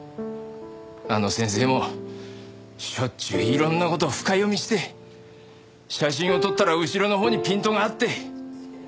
あの先生もしょっちゅういろんな事深読みして写真を撮ったら後ろのほうにピントが合って。